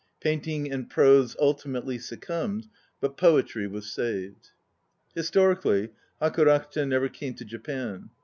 Painting and prose ultimately succumbed, but poetry was saved. Historically, Haku Rakuten never came to Japan.